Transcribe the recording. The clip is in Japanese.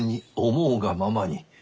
思うがままに。